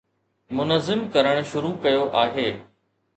منظم ڪرڻ شروع ڪيو آهي.